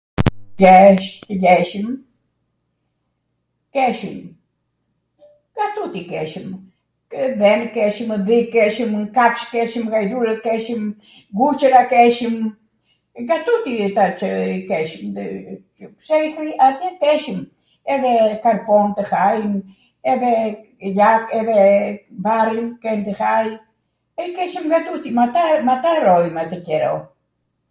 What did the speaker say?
Jesh, jeshwm. Keshwm, ga tuti keshwm, dhen keshwm, dhi keshem, kaC keshwm, ghajdhurw keshwm, guCwra keshwm, ga tuti ata qw keshwm. Keshwm edhe karpon tw hajm, edhe gjalp [???].... barin qw hajm, keshwm ga tuti. M' ata rrojmw atw qero.